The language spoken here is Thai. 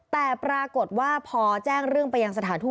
แต่ปรากฏว่าพอแจ้งเรื่องไปยังสถานทูต